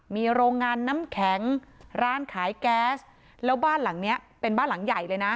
มีโรงงานน้ำแข็งร้านขายแก๊สแล้วบ้านหลังเนี้ยเป็นบ้านหลังใหญ่เลยนะ